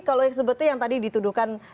kalau seperti yang tadi ditudukan